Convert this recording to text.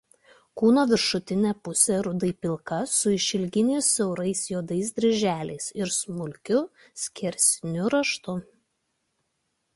Kūno viršutinė pusė rudai pilka su išilginiais siaurais juodais dryželiais ir smulkiu skersiniu raštu.